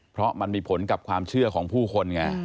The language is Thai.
เพราะมันมีผลกับความเชื่อของผู้คนไง